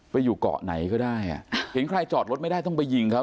ไปอยู่เกาะไหนก็ได้อ่ะเห็นใครจอดรถไม่ได้ต้องไปยิงเขา